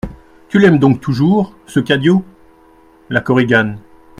Tu l'aimes donc toujours, ce Cadio ? LA KORIGANE.